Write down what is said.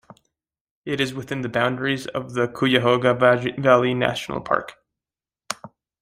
It is within the boundaries of the Cuyahoga Valley National Park.